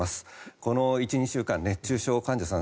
この１２週間熱中症患者さん